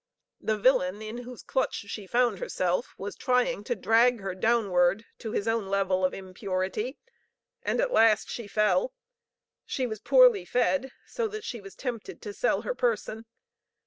The villain in whose clutch she found herself was trying to drag her downward to his own low level of impurity, and at last she fell. She was poorly fed, so that she was tempted to sell her person.